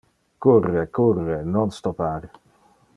Curre, curre, non stoppar.